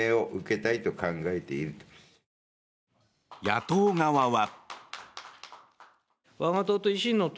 野党側は。